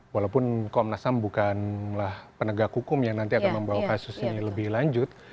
walaupun komnas ham bukanlah penegak hukum yang nanti akan membawa kasus ini lebih lanjut